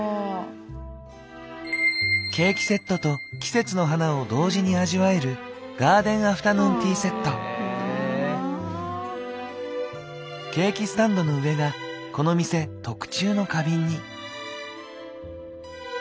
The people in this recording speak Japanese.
ケーキセットと季節の花を同時に味わえるケーキスタンドの上がこの店特注の花瓶に。